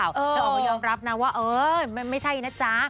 แต่ก็ยอมรับนะว่าเออไม่ใช่นะจ๊ะ